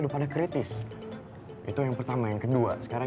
oh uang bisnya sela